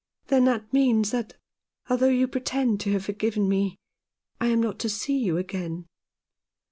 " Then that means that, although you pretend to have forgiven me, I am not to see you again."